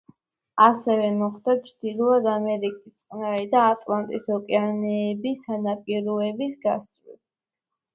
ასევე მოხდა ჩრდილოეთ ამერიკის წყნარი და ატლანტის ოკეანეები სანაპიროების გასწვრივ.